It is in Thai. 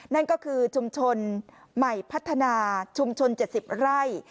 นั่นก็คือชุมชนใหม่พัฒนาชุมชน๗๐ไร่